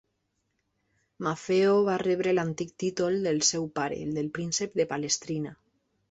Maffeo va rebre l'antic títol del seu pare, el de príncep de Palestrina.